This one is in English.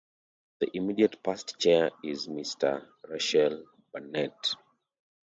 The immediate past chair is Mrs Rachel Burnett.